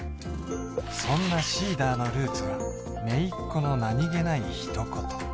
そんなＳｅｅｄｅｒのルーツはめいっ子の何気ないひと言